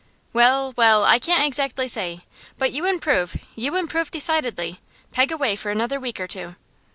'Well, well; I can't exactly say. But you improve; you improve, decidedly. Peg away for another week or two.